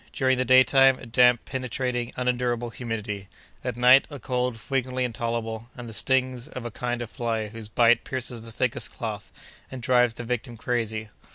During the daytime, a damp, penetrating, unendurable humidity! At night, a cold frequently intolerable, and the stings of a kind of fly whose bite pierces the thickest cloth, and drives the victim crazy!